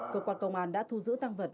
cơ quan công an đã thu giữ tăng vật